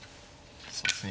あそうですね。